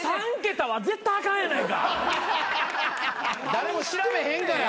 誰も調べへんから。